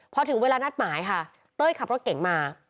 พอถึงเวลานัดหมายค่ะเต้ยขับรถเก่งมา